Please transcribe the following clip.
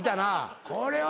これは。